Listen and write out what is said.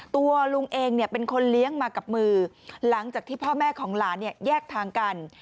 ตัวลุงเองเป็นคนเลี้ยงมากับมือหลังจากที่พ่อแม่ของหลานเนี่ยแยกทางกัน